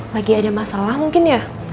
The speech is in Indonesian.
lagi ada masalah mungkin ya